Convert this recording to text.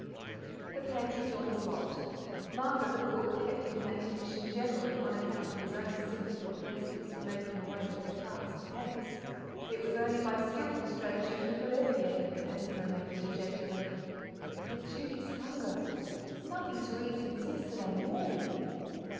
The pantry door was locked. Martha, the cook, kept it in that condition generally on account of his own sinful propensities for making away with her tarts and cakes; it was only by skilful stratagem he could ever get in, as he remembered dejectedly. But Judy's hunger! Nothing to eat since yesterday morning!